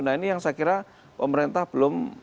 nah ini yang saya kira pemerintah belum